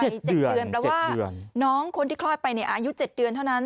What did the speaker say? เจ็ดเดือนเพราะว่าน้องคนที่คลอดไปในอายุเจ็ดเดือนเท่านั้น